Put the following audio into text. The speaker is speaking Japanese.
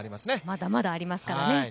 まだまだありますからね。